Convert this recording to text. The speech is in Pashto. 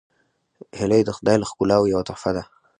هیلۍ د خدای له ښکلاوو یوه تحفه ده